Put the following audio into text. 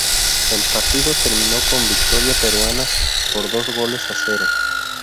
El partido terminó con victoria peruana por dos goles a cero.